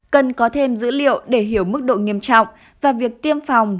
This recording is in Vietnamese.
cần có thêm dữ liệu để hiểu mức độ nghiêm trọng và việc tiêm phòng